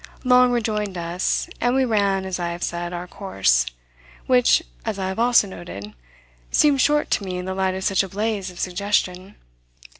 Long rejoined us, and we ran, as I have said, our course; which, as I have also noted, seemed short to me in the light of such a blaze of suggestion.